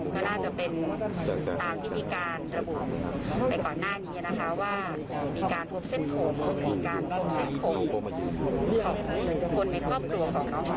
คุณแม่สาวิทยาลัยบุคคิชานะคะอยู่บริเวณด้านที่นี่นะครับ